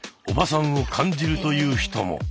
「おばさん」を感じるという人も。